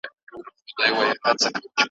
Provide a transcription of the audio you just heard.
زموږ په برخه چي راغلې دښمني او عداوت وي ,